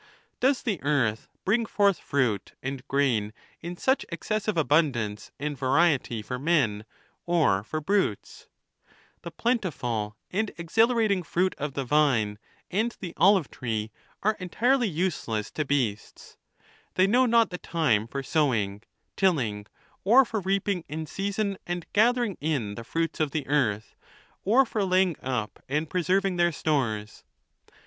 Does the earth bring forth fruit and grain in such excessive abundance and variety for men or for brutes ? The plentiful and exhilarating fruit of the vine and the olive tree are entirely useless to beasts. They know not the time for sowing, tilling, or for reaping in season and gathering in the fruits of the earth, or for laying up and preserving their stores.